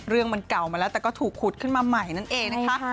เรื่องมันเก่ามาแล้วแต่ก็ถูกขุดขึ้นมาใหม่นั่นเองนะคะ